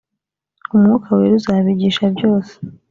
umwuka wera uzabigisha byose